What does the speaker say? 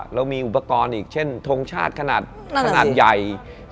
เรามีอุปกรณ์อีกเช่นทงชาติขนาดใหญ่